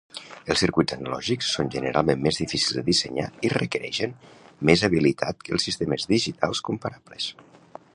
Els circuits analògics són generalment més difícils de dissenyar i requereixen més habilitat que els sistemes digitals comparables.